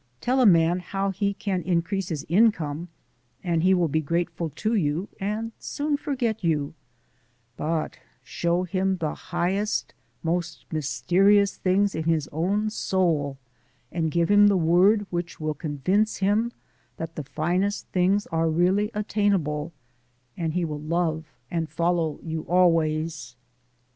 Tell a man how he can increase his income and he will be grateful to you and soon forget you; but show him the highest, most mysterious things in his own soul and give him the word which will convince him that the finest things are really attainable, and he will love and follow you always.